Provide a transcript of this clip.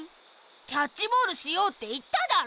キャッチボールしようっていっただろ。